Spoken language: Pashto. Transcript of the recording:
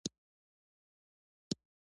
په زړه پورې اټکلونه مطرح کړي دي.